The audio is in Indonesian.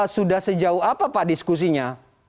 sudah sejauh apa pak diskusinya